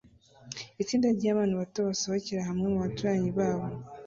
Itsinda ryabana bato basohokera hamwe mubaturanyi babo